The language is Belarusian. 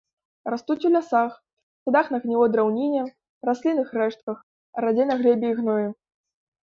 Растуць у лясах, садах на гнілой драўніне, раслінных рэштках, радзей на глебе і гноі.